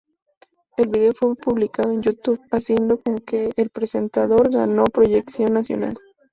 El video fue publicado en YouTube, haciendo con que el presentador ganó proyección nacional.